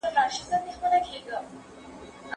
هغه استاد څنګه لارښود کېدای سي چي کتاب یې نه وي خپور کړی؟